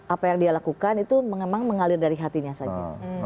apa yang dia lakukan itu memang mengalir dari hatinya saja